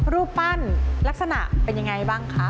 รูปปั้นลักษณะเป็นยังไงบ้างคะ